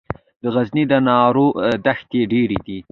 د غزني د ناور دښتې ډیرې دي